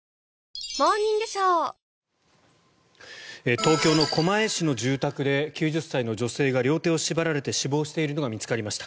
東京の狛江市の住宅で９０歳の女性が両手を縛られて死亡しているのが見つかりました。